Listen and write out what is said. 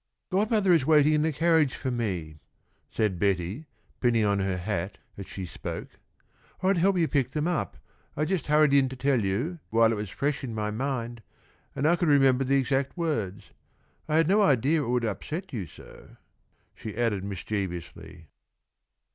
"Godmother is waiting in the carriage for me," said Betty, pinning on her hat as she spoke, "or I'd help you pick them up. I just hurried in to tell you while it was fresh in my mind, and I could remember the exact words. I had no idea it would upset you so," she added, mischievously.